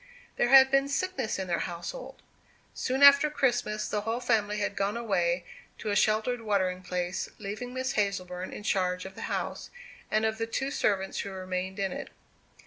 There had been sickness in their household. Soon after Christmas the whole family had gone away to a sheltered watering place, leaving Miss Hazleburn in charge of the house, and of the two servants who remained in it.